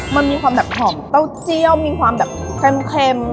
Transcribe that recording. มันมีความแบบหอมเต้าเจี้ยวมีความแบบเค็ม